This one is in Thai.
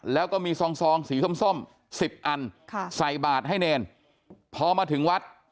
แล้วก็มีซองซองสีส้มสิบอันใส่บาทให้เนรพอมาถึงวัด